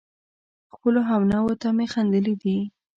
خپلو همنوعو ته مې خندلي دي